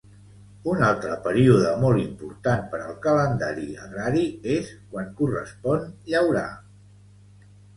Un altre període molt important per al calendari agrari és quan correspon llaurar.